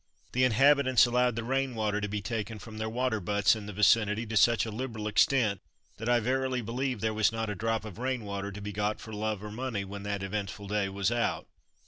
The inhabitants allowed the rain water to be taken from their water butts in the vicinity to such liberal extent that I verily believe there was not a drop of rain water to be got for love or money when that eventful day was out.